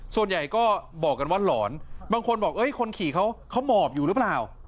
ส่วนใหญ่ก็บอกกันว่าหลอนบางคนบอกคนขี่เขาหมอบอยู่หรือเปล่า